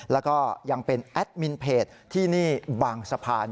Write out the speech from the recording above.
แล้วก็ยังเป็นแอดมินเพจที่นี่บางสะพาน